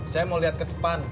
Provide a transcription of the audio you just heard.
saya mau lihat ke depan